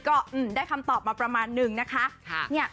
ก็ได้คำตอบมาประมาณนึงนะคะ